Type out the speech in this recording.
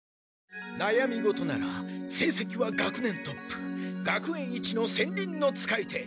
なやみごとならせいせきは学年トップ学園一の戦輪の使い手